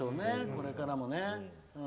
これからもね。